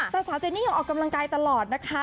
แต่สาวเจนี่ยังออกกำลังกายตลอดนะคะ